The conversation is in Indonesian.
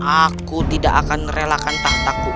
aku tidak akan relakan tahtaku